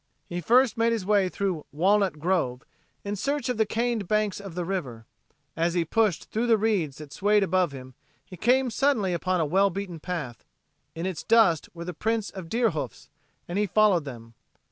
He first made his way through "Walnut Grove" in search of the caned banks of the river. As he pushed through the reeds that swayed above him he came suddenly upon a well beaten path. In its dust were the prints of deer hoofs, and he followed them.